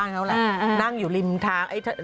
คุณพ่อค่ะคุณพ่อค่ะคุณพ่อค่ะ